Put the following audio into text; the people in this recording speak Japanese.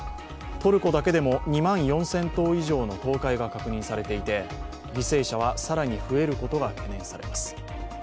トルコだけでも２万４０００棟以上の倒壊が確認されていて犠牲者は更に増えることが懸念されます。